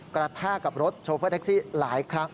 แทกกับรถโชเฟอร์แท็กซี่หลายครั้ง